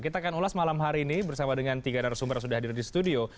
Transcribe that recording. kita akan ulas malam hari ini bersama dengan tiga narasumber yang sudah hadir di studio